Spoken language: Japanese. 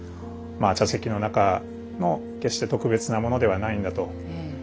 まあ茶席の中の決して特別なものではないんだと。